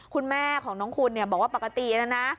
คุณแม่ของน้องคุณเนี่ยบอกว่าปกตินะนะ